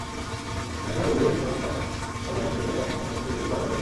এখানকার রোগীদের ধরমপাশা হাসপাতালে নিতে গেলে যানবাহনের ঝাঁকুনিতেই রোগীর বারোটা বেজে যায়।